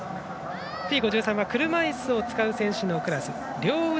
Ｔ５３は車いすを使う選手のクラス。